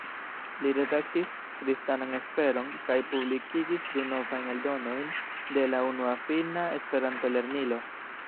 Li redaktis "Kristanan Esperon" kaj publikigis du novajn eldonojn de la unua finna Esperanto-lernilo.